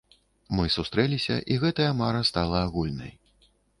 Мы сустрэліся, і гэтая мара стала агульнай.